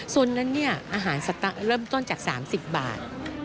ส่วนนั้นเนี่ยอาหารสตะเริ่มต้นจาก๓๐บาท